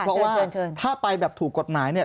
เพราะว่าถ้าไปแบบถูกกฎหมายเนี่ย